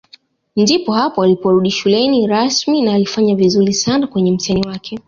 Ndipo hapo aliporudi shuleni rasmi na alifanya vizuri sana kwenye mtihani wake